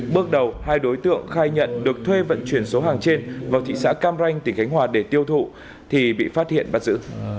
bước đầu hai đối tượng khai nhận được thuê vận chuyển số hàng trên vào thị xã cam ranh tỉnh khánh hòa để tiêu thụ thì bị phát hiện bắt giữ